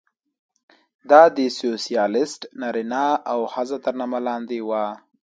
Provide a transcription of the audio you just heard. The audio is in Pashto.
دا د سوسیالېست نارینه او ښځه تر نامه لاندې وه.